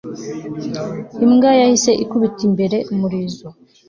imbwa yahise ikubita imbere umurizo